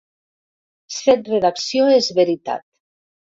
Set redacció és veritat.